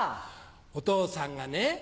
お父さんがね